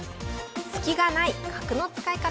スキがない角の使い方にご注目